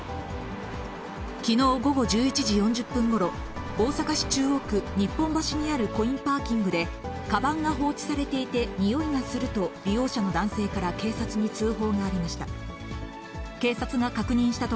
きのう午後１１時４０分ごろ、大阪市中央区日本橋にあるコインパーキングで、かばんが放置されていて、臭いがすると、利用者の男性から警察に通報がありました。